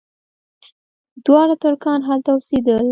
دواړه ترکان هلته اوسېدل.